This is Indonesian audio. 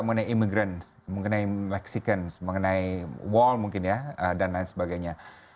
mengenai imigran mengenai meksiken mengenai wall mungkin ya dan lain sebagainya